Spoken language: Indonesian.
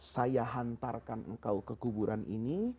saya hantarkan engkau ke kuburan ini